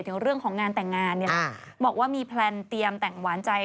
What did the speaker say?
ถึงเรื่องของงานแต่งงานเนี่ยนะบอกว่ามีแพลนเตรียมแต่งหวานใจ